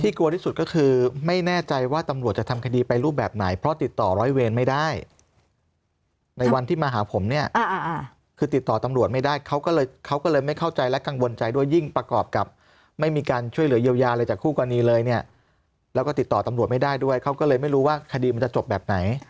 กลัวที่สุดก็คือไม่แน่ใจว่าตำรวจจะทำคดีไปรูปแบบไหนเพราะติดต่อร้อยเวรไม่ได้ในวันที่มาหาผมเนี่ยคือติดต่อตำรวจไม่ได้เขาก็เลยเขาก็เลยไม่เข้าใจและกังวลใจด้วยยิ่งประกอบกับไม่มีการช่วยเหลือเยียวยาอะไรจากคู่กรณีเลยเนี่ยแล้วก็ติดต่อตำรวจไม่ได้ด้วยเขาก็เลยไม่รู้ว่าคดีมันจะจบแบบไหน